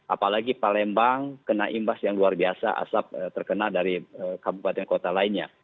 apalagi palembang kena imbas yang luar biasa asap terkena dari kabupaten kota lainnya